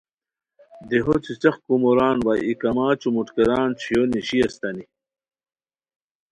دیہو څیڅیق کوموران وا ای کما چوموٹکیران چھویو نیشیتانی